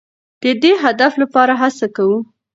د دې هدف لپاره هڅه کوو.